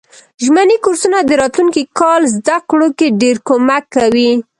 ژمني کورسونه د راتلونکي کال زده کړو کی ډیر کومک کوي.